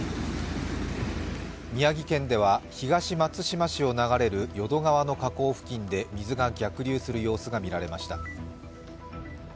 宮城県では東松島市を流れる淀川の河口付近で水が逆流する様子が見られました。